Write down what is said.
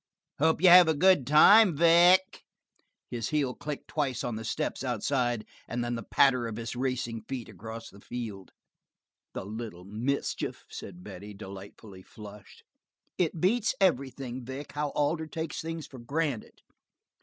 Hope you have a good time, Vic." His heel clicked twice on the steps outside, and then the patter of his racing feet across the field. "The little mischief!" said Betty, delightfully flushed. "It beats everything, Vic, how Alder takes things for granted."